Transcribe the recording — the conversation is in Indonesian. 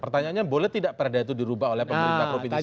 pertanyaannya boleh tidak perdak itu dirubah oleh pemerintah kropi di sekarang